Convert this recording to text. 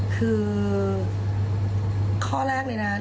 คือข้อแรกเลยนะ